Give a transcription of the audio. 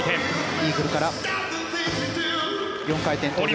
イーグルから４回転トウループ。